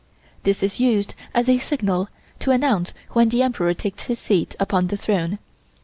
This is used as a signal to announce when the Emperor takes his seat upon the throne.